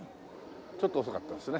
ちょっと遅かったですね。